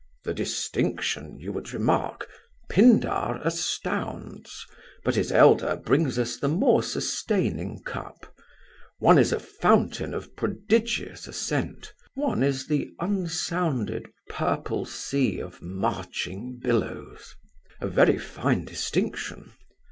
"The distinction, you would remark. Pindar astounds. But his elder brings us the more sustaining cup. One is a fountain of prodigious ascent. One is the unsounded purple sea of marching billows." "A very fine distinction."